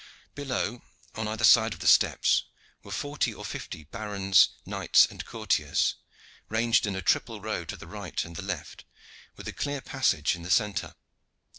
Below on either side of the steps were forty or fifty barons, knights, and courtiers, ranged in a triple row to the right and the left, with a clear passage in the centre.